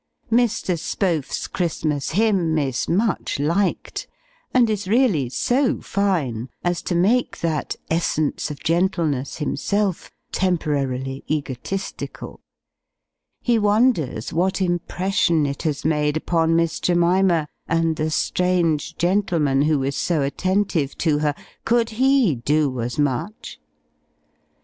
Mr. Spohf's Christmas hymn is much liked, and is really so fine as to make that essence of gentleness, himself, temporarily egotistical; he wonders what impression it has made upon Miss Jemima, and the strange gentleman who is so attentive to her could he do as much?